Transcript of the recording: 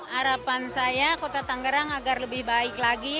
harapan saya kota tanggerang agar lebih baik lagi